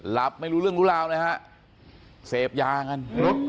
หลับไม่รู้เรื่องรู้ราวนะฮะเสพยางั้น